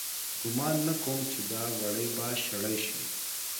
گومان نه کوم چې دا وړۍ به شړۍ سي